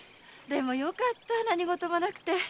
でもよかった何ごともなくて。